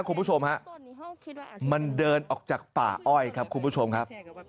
คุณผู้ชมฮะมันเดินออกจากป่าอ้อยครับคุณผู้ชมครับ